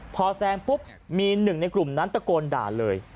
พอแซงปุ๊บมีหนึ่งในกลุ่มนั้นตะโกนด่าเลย